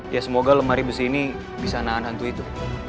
ya semoga lemari besi ini bisa nahan hantu itu